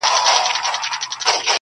خانه ستا او د عُمرې یې سره څه,